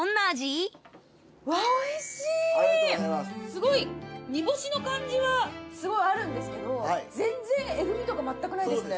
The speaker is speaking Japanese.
すごい煮干しの感じはすごいあるんですけど全然えぐみとか全くないですね。